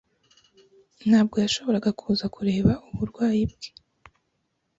Ntabwo yashoboraga kuza kubera uburwayi bwe.